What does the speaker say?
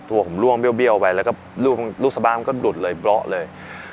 ตัวผมล่วงเบี้ยวไปแล้วก็ลูกสบายมันก็หลุดเลยเพราะเลย